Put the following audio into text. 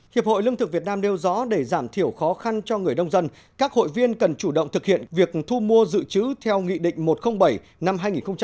hiệp hội lương thực việt nam đeo rõ để giảm thiểu khó khăn cho người nông dân các hội viên cần chủ động thực hiện việc thu mua dự trữ theo nghị định một trăm linh bảy năm hai nghìn một mươi chín